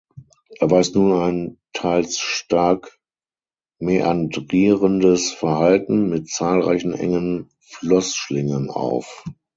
Er weist nun ein teils stark mäandrierendes Verhalten mit zahlreichen engen Flussschlingen auf.